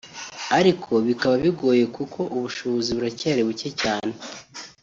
ariko biba bigoye kuko ubushobozi buracyari buke cyane